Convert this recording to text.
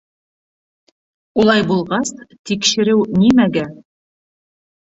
Улай булғас, тикшереү нимәгә?